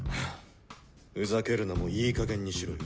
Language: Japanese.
ふざけるのもいいかげんにしろよ。